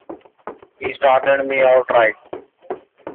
He started me out right.